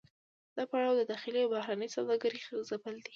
دا پړاو د داخلي او بهرنۍ سوداګرۍ ځپل دي